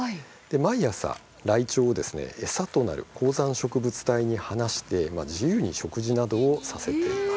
毎朝、ライチョウを餌となる高山植物帯に放して自由に食事などをさせています。